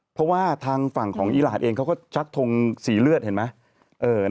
เพราะว่าทางฝั่งของอีรานเองเขาก็ชักทงสีเลือดเห็นไหม